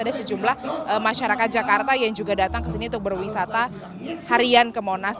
ada sejumlah masyarakat jakarta yang juga datang ke sini untuk berwisata harian ke monas